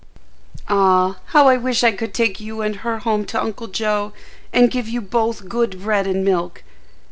"Ah, how I wish I could take you and her home to Uncle Joe, and give you both good bread and milk!